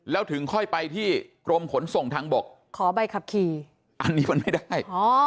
แล้วถึงค่อยไปที่กรมขนส่งทางบกขอใบขับขี่อันนี้มันไม่ได้